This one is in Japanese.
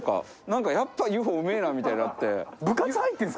なんかやっぱＵ．Ｆ．Ｏ．うめえなみたいになって。